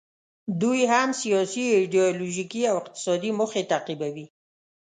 دوی هم سیاسي، ایډیالوژیکي او اقتصادي موخې تعقیبوي.